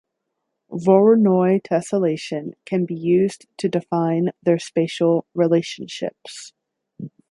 Voronoi tesselation can be used to define their spatial relationships.